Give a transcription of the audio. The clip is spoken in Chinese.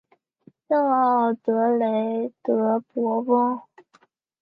圣昂德雷德博翁。